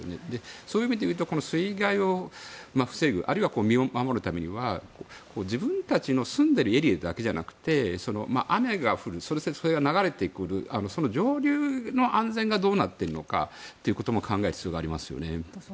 そういう意味でいうと水害を防ぐあるいは身を守るためには自分たちの住んでいるエリアだけじゃなくて雨が降る、それが流れてくるその上流の安全がどうなっているのかということも考える必要がありますよね。